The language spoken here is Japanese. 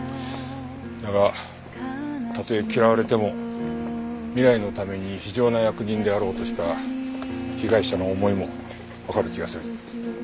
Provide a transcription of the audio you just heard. だがたとえ嫌われても未来のために非情な役人であろうとした被害者の思いもわかる気がする。